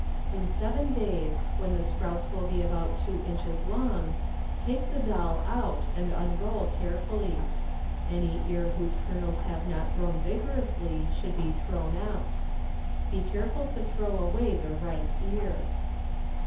In seven days, when the sprouts will be about two inches long, take the doll out and unroll carefully. Any ear whose kernels have not grown vigorously should be thrown out. Be careful to throw away the right ear.